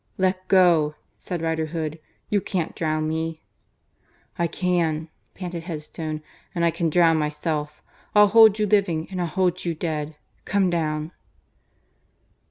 "Let go!" said Riderhood. "You can't drown me!" "I can," panted Headstone. "And I can drown myself. I'll hold you living and I'll hold you dead. Come down!"